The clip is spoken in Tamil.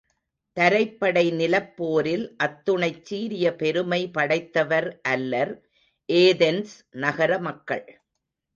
தரைப்படை நிலப் போரில் அத்துணைச் சீரிய பெருமை படைத்தவர் அல்லர் ஏதென்ஸ் நகரமக்கள்.